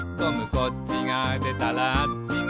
「こっちがでたらあっちが」